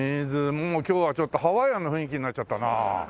もう今日はちょっとハワイアンの雰囲気になっちゃったな。